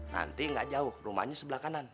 nanti gak jauh rumahnya sebelah kanan